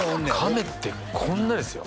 カメってこんなですよ